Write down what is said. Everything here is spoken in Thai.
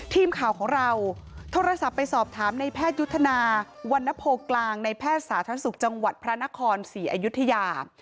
ทีมข่าวของเราโทรศัพท์ไปสอบถามในแพทยุทธนาวันนโพกลางในแพทย์สาธารณสุขจังหวัดพระนครศรีอยุธยา